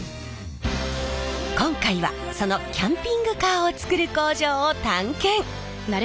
今回はそのキャンピングカーを作る工場を探検！